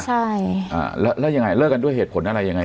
ใช่อ่าแล้วแล้วยังไงเลิกกันด้วยเหตุผลอะไรยังไง